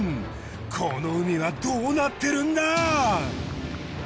この海はどうなってるんだ？